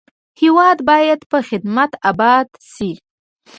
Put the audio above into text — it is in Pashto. هېواد باید په خدمت اباد شي.